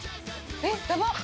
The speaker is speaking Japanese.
えっやばっ！